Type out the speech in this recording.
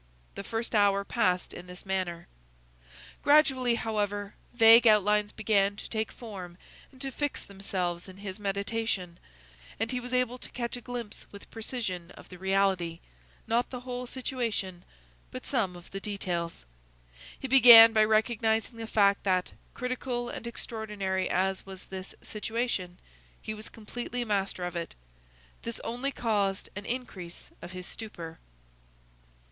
The first hour passed in this manner. Gradually, however, vague outlines began to take form and to fix themselves in his meditation, and he was able to catch a glimpse with precision of the reality,—not the whole situation, but some of the details. He began by recognizing the fact that, critical and extraordinary as was this situation, he was completely master of it. This only caused an increase of his stupor.